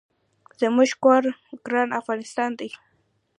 زمونږ کور ګران افغانستان دي